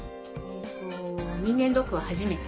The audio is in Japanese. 人間ドックは初めて？